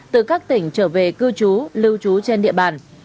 từ các tỉnh trở về cư trú lưu trú trên địa bàn